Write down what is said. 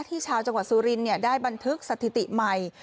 ที่ชาวจังหวัดซูรินท์เนี่ยได้บันทึกสถิติใหม่